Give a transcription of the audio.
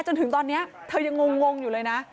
จนถึงตอนนี้เธอยังงงอยู่เลยนะ